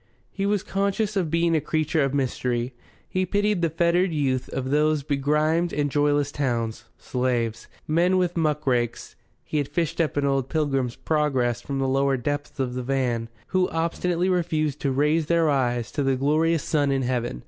He was conscious of being a creature of mystery. He pitied the fettered youth of these begrimed and joyless towns slaves, Men with Muckrakes (he had fished up an old "Pilgrim's Progress" from the lower depths of the van), who obstinately refused to raise their eyes to the glorious sun in heaven.